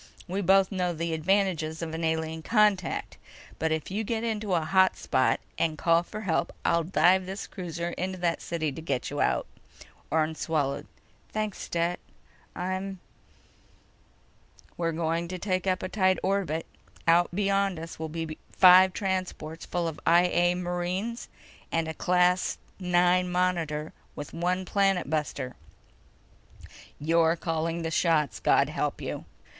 We both know the advantages of an alien contact. But if you get into a hot spot, and call for help, I'll dive this cruiser into that city to get you out!" Orne swallowed. "Thanks, Stet. I'm—" "We're going to take up a tight orbit. Out beyond us will be five transports full of I A marines and a Class IX Monitor with one planet buster. You're calling the shots, God help you!